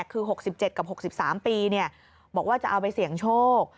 คือ๖๗กับ๖๓ปีบอกว่าจะเอาไปเสี่ยงโชค